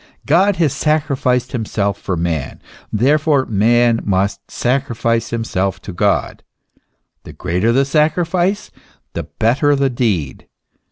God has sacrificed himself for man; therefore man must sacrifice himself to God. The greater the sacrifice the better the deed.